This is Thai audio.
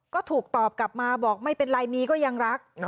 ก็ถูกตอบกลับมาบอกไม่เป็นไรมีก็ยังรัก